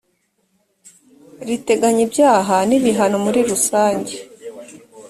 riteganya ibyaha n ibihano muri rusange